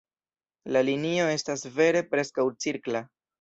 La linio estas vere preskaŭ cirkla.